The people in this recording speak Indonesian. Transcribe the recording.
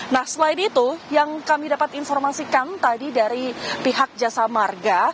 nah selain itu yang kami dapat informasikan tadi dari pihak jasa marga